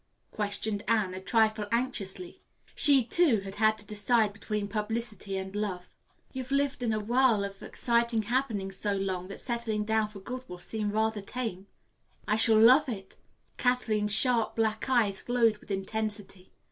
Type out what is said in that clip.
questioned Anne, a trifle anxiously. She too had had to decide between publicity and love. "You've lived in a whirl of exciting happenings so long that settling down for good will seem rather tame." "I shall love it." Kathleen's sharp black eyes glowed with intensity.